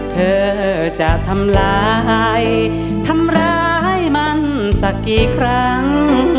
เธอจะทำร้ายทำร้ายมันสักกี่ครั้ง